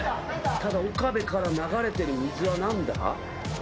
ただ岡部から流れてる水は何だ？